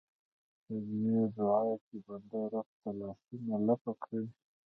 په دې دعا کې بنده رب ته لاسونه لپه کړي.